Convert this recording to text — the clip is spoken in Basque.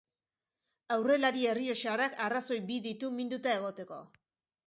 Aurrelari errioxarrak arrazoi bi ditu minduta egoteko.